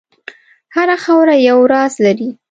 هره خاوره یو راز لري.